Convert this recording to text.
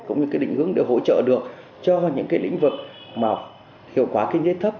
cũng như cái định hướng để hỗ trợ được cho những cái lĩnh vực mà hiệu quả kinh tế thấp